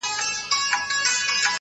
ډېر درته گورم _ لږ راوگوره له عرش څخه _